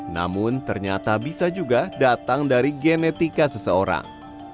namun ternyata bisa juga datang dari genetika seseorang